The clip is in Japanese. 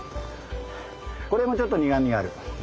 これもちょっと苦みがある。